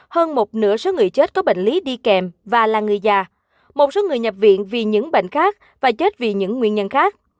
hơn một nửa số người chết có bệnh lý đi kèm và là người già một số người nhập viện vì những bệnh khác và chết vì những nguyên nhân khác